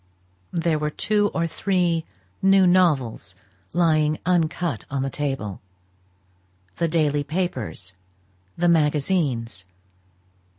There were two or three new novels lying uncut on the table; the daily papers, the magazines.